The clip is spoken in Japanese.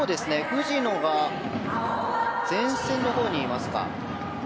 藤野が前線のほうにいますか。